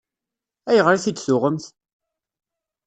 Ayɣer i t-id-tuɣemt?